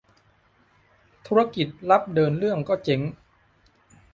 ธุรกิจรับเดินเรื่องก็เจ๊ง